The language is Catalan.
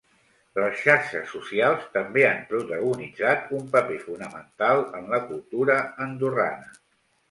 Les xarxes socials també han protagonitzat un paper fonamental en la cultura andorrana.